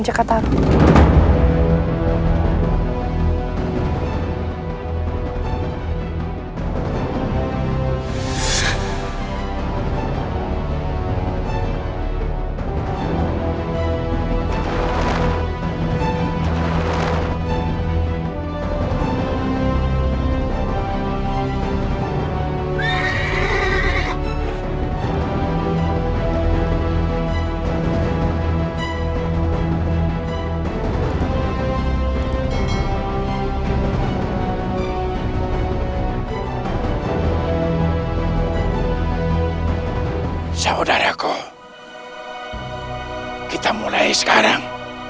saudaraku kita mulai sekarang